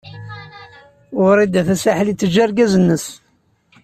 Wrida Tasaḥlit teǧǧa argaz-nnes.